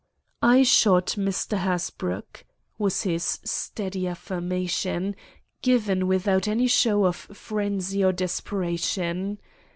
"I shot Mr. Hasbrouck," was his steady affirmation, given without any show of frenzy or desperation.